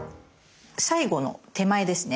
最後の手前ですね